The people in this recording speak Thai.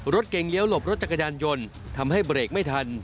รถเก๋งเลี้ยวหลบรถจักรยานยนต์ทำให้เบรกไม่ทัน